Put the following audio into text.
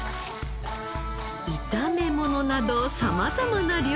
炒め物など様々な料理に。